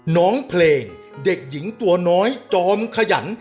น้องเพลงเด็กหญิงตัวน้อยจอมขยัน